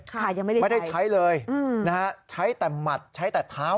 ค่ะยังไม่ได้ใช้ไม่ได้ใช้เลยใช้แต่หมัดใช้แต่เท้า